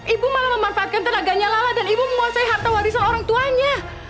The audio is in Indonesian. ibu malah memanfaatkan tenaganya lala dan ibu menguasai harta warisan orang tuanya